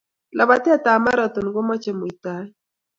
lapatetap ap marathon kamachei muitaet